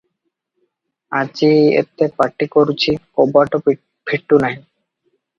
ଆଜି ଏତେ ପାଟି କରୁଛି, କବାଟ ଫିଟୁ ନାହିଁ ।